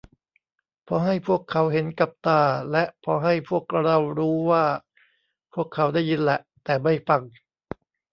พอให้พวกเขาเห็นกับตา และพอให้พวกเรารู้ว่าพวกเขาได้ยินแหละ แต่ไม่ฟัง